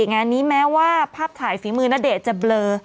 งานนี้แม้ว่าภาพถ่ายฝีมือณเดชน์จะเบลอ